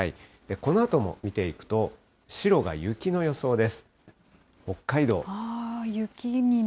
このあとも見ていくと、白が雪の予想です。